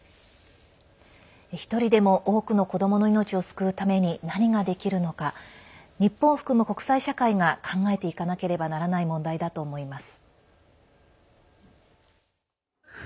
１人でも多くの子どもの命を救うために何ができるのか日本を含む国際社会が考えていかなければならない問題だと思います。